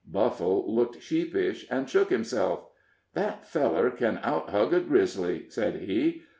Buffle looked sheepish, and shook himself. "That feller can outhug a grizzly," said he.